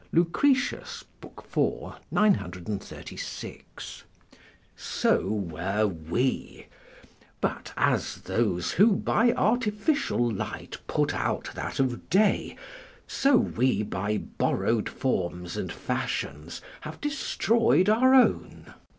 Lucretius, iv. 936.] so were we: but as those who by artificial light put out that of day, so we by borrowed forms and fashions have destroyed our own.